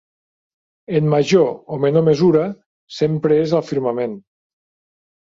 En major o menor mesura, sempre és al firmament.